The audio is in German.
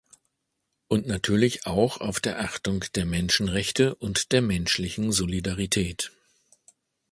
Und natürlich auch auf der Achtung der Menschenrechte und der menschlichen Solidarität.